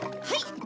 はい！